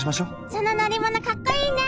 その乗り物かっこいいね。